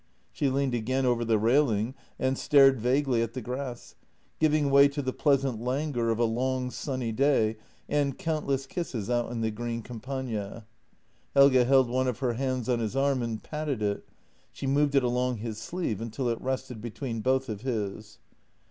She leaned again over the railing and stared vaguely at the grass, giving way to the pleasant languor of a long sunny day and countless kisses out in the green Campagna. Helge held one of her hands on his arm and patted it — she moved it along his sleeve until it rested between both of his.